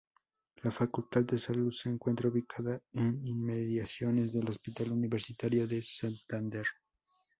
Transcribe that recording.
La Facultad de Salud se encuentra ubicada en inmediaciones del Hospital Universitario de Santander.